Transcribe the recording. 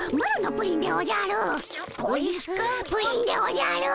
プリンでおじゃる！